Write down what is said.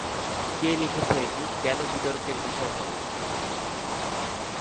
কে লিখেছে এটি- কেন বিতর্কের বিষয় হবে?